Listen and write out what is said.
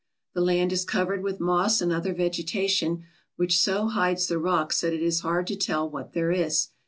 The land is covered with moss and other vegetation which so hides the rocks that it is hard to tell what there is.